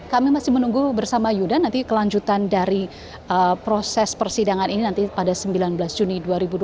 kami masih menunggu bersama yudha nanti kelanjutan dari proses persidangan ini nanti pada sembilan belas juni dua ribu dua puluh